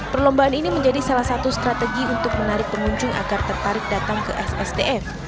perlombaan ini menjadi salah satu strategi untuk menarik pengunjung agar tertarik datang ke ssdf